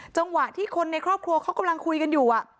จังหวะที่คนในครอบครัวเขากำลังคุยกันอยู่